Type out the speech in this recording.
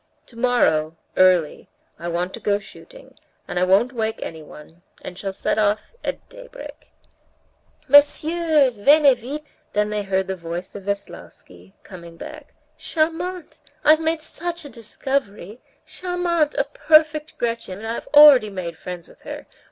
"Tomorrow, early, I want to go shooting, and I won't wake anyone, and shall set off at daybreak." "Messieurs, venez vite!" they heard the voice of Veslovsky coming back. "Charmante! I've made such a discovery. Charmante! a perfect Gretchen, and I've already made friends with her.